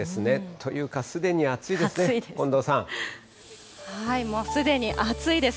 というか、すでに暑いですね、近もうすでに暑いです。